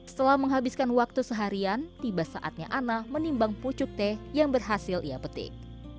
setelah menghabiskan waktu seharian tiba saatnya ana menimbang pucuk teh yang berhasil ia petik